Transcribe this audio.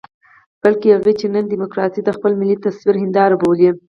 بلکې هغوی چې نن ډيموکراسي د خپل ملي تصوير هنداره بولي.